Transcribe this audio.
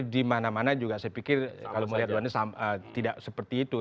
di mana mana juga saya pikir kalau melihat luarnya tidak seperti itu